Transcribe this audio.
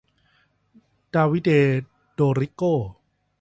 ดาวิเด โดริโก้